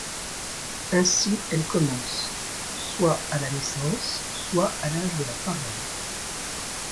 Ainsi, elle commence, soit à la naissance, soit à l'âge de la parole.